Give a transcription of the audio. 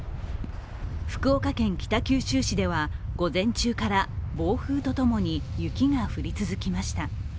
福岡県北九州市では午前中から暴風とともに雪が降り続きました。